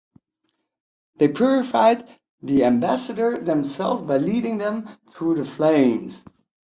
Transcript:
They purified the ambassadors themselves by leading them through the flames.